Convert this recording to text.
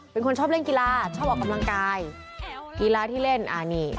เป็นคนชอบเล่นกีฬาชอบออกกำลังกายกีฬาที่เล่นอ่านี่